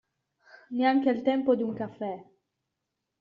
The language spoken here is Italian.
Neanche il tempo di un caffè.